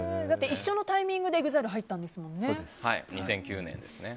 一緒のタイミングでＥＸＩＬＥに入ったんですもんね。